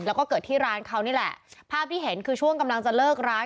แล้วก็เกิดที่ร้านเขานี่แหละภาพที่เห็นคือช่วงกำลังจะเลิกร้าน